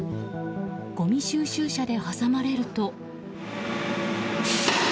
ごみ収集車で挟まれると。